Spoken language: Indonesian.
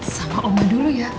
sama oma dulu ya